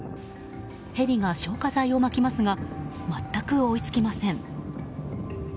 ヘリが消火剤をまきますがまったく追いつきません。